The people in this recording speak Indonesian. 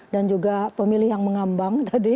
dan juga pemilih yang mengambang